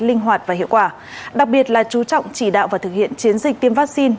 linh hoạt và hiệu quả đặc biệt là chú trọng chỉ đạo và thực hiện chiến dịch tiêm vaccine